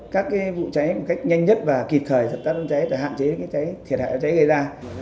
các vụ cháy một cách nhanh nhất và kịp thời để hạn chế thiệt hại của cháy gây ra